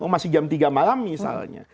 masih jam tiga malam misalnya